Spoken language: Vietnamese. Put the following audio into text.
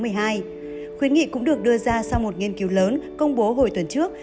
hội nghị cũng được đưa ra sau một nghiên cứu lớn công bố hồi tuần trước